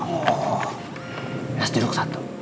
ayo duduk satu